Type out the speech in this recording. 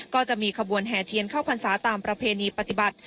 ก็จะมีขบวนแห่เทียนเข้าพรรษาตามประเพณีปฏิบัติ